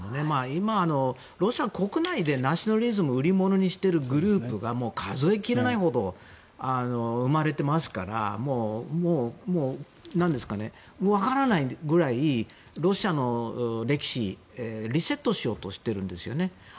今ロシア国内でナショナリズムを売り物にしているグループが、数えきれないほど生まれてますからもう分からないぐらいロシアの歴史をリセットしようとしてるんですよね。